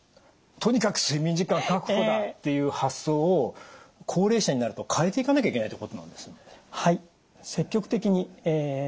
とにかく睡眠時間確保だっていう発想を高齢者になると変えていかなきゃいけないということなんですね？